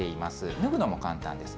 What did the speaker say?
脱ぐのも簡単です。